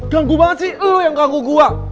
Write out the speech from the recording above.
ganggu banget sih lu yang ganggu gua